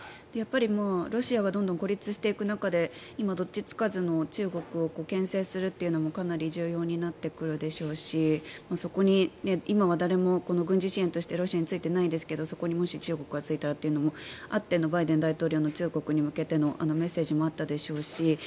ロシアはどんどん孤立していく中で今、どっちつかずの中国をけん制するのもかなり重要になってくるでしょうしそこに今は誰も軍事支援としてロシアについていないですがそこにもし中国がついたらというのもあってのバイデン大統領の中国に向けてのメッセージもあったでしょうし